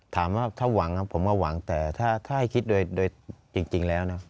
ถามว่าเขาหวังผมก็หวังแต่ถ้าให้คิดโดยจริงแล้วนะ